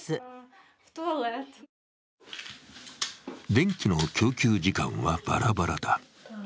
電気の供給時間はバラバラだ。